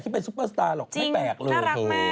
ที่เป็นสุปตาร์หรอกไม่แปลกเลย